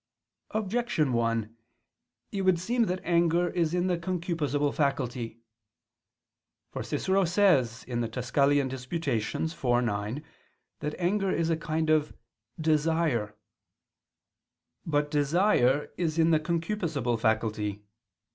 Objection 1: It would seem that anger is in the concupiscible faculty. For Cicero says (De Quaest. Tusc. iv, 9) that anger is a kind of "desire." But desire is in the concupiscible faculty.